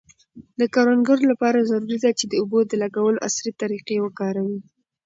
د کروندګرو لپاره ضروري ده چي د اوبو د لګولو عصري طریقې وکاروي.